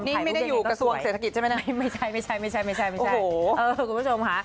นี่ไม่ได้อยู่กระทรวงเศรษฐกิจใช่ไหมนะไม่ใช่คุณผู้ชมค่ะ